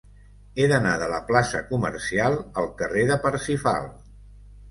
He d'anar de la plaça Comercial al carrer de Parsifal.